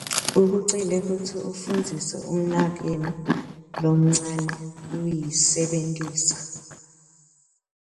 Ukucele kutsi ufundzise umnakenu lomncane kuyisebentisa.